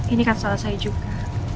ini kan salah saya juga